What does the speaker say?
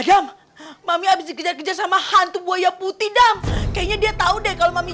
dam mami habis dikejar kejar sama hantu buaya putih dam kayaknya dia tahu deh kalau mami